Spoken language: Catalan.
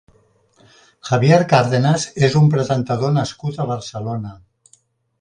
Javier Càrdenas és un presentador nascut a Barcelona.